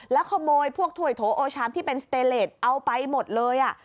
แล้วขโมยพวกถ้วยโถโอชามที่เป็นสเตเลสเอาไปหมดเลย